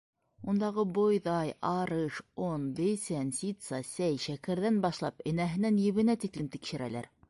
Ундағы бойҙай, арыш, он, бесән, ситса, сәй, шәкәрҙән башлап энәһенән ебенә тиклем тикшерәләр.